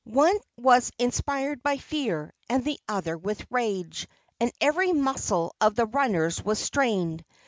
One was inspired by fear and the other with rage, and every muscle of the runners was strained.